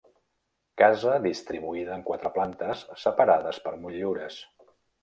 Casa distribuïda en quatre plantes separades per motllures.